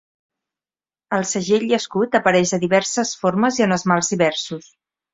El segell i escut apareix de diverses formes i en esmalts diversos.